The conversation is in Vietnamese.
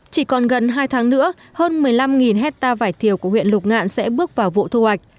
chỉ còn gần hai tháng nữa hơn một mươi năm hectare vải thiều của huyện lục ngạn sẽ bước vào vụ thu hoạch